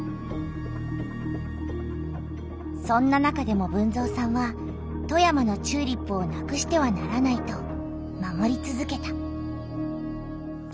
そんな中でも豊造さんは富山のチューリップをなくしてはならないと守りつづけた。